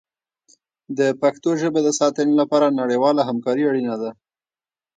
د پښتو ژبې د ساتنې لپاره نړیواله همکاري اړینه ده.